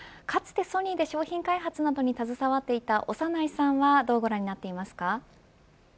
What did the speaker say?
かつてソニーで商品開発などに携わっていた長内さんはどうご覧になっていますか。